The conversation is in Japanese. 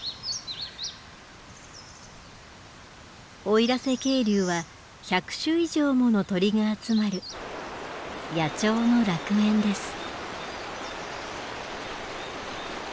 奥入瀬渓流は１００種以上もの鳥が集まる野鳥の楽園です。